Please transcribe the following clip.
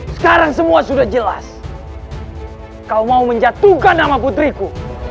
sekarang semua sudah jelas kau mau menjatuhkan nama putriku